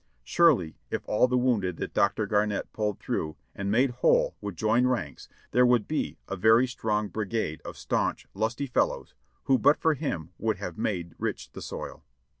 Surely if all the wounded that Dr. Garnett pulled through and made whole would join ranks, there would be a very strong bri gade of staunch, lusty fellows, who but for him would have made rich the soil.